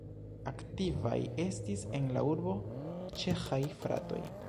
Aktivaj estis en la urbo ĉeĥaj fratoj.